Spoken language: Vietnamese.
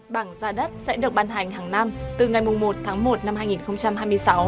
bảng giá đất sẽ được ban hành hàng năm từ ngày một tháng một năm hai nghìn hai mươi sáu